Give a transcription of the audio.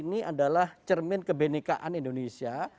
ini adalah cermin kebenekaan indonesia